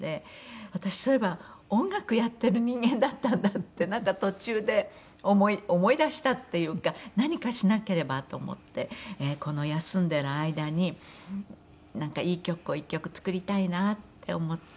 私そういえば音楽やってる人間だったんだってなんか途中で思い出したっていうか何かしなければと思ってこの休んでる間になんかいい曲を１曲作りたいなって思って。